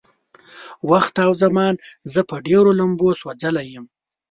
وخت او زمان زه په ډېرو لمبو سوځولی يم.